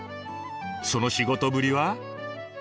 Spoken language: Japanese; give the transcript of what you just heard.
その仕事ぶりは？